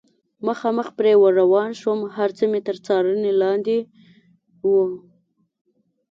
مخامخ پرې ور روان شوم، هر څه مې تر څارنې لاندې و.